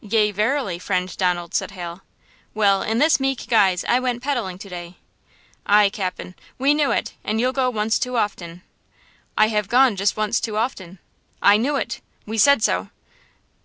"Yea, verily, friend Donald," said Hal. "Well, in this meek guise I went peddling to day!" "Aye, cap'n, we knew it; and you'll go once too often!" "I have gone just once too often!" "I knew it!" "We said so!"